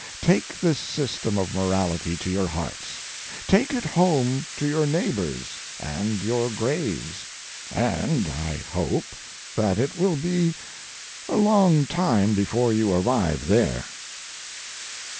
Take this system of morality to your hearts. Take it home to your neighbors and your graves, and I hope that it will be a long time before you arrive there.